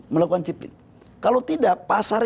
melakukan chip in kalau tidak pasar